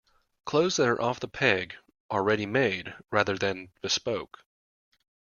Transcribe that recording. Clothes that are off-the-peg are ready-made rather than bespoke